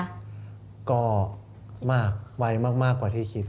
อเจมส์ก็มากไวมากกว่าที่คิดครับ